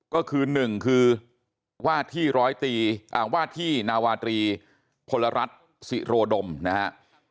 ก็คือ๑คือวาที่นาวาตรีพลรัชศิโรดมนะครับ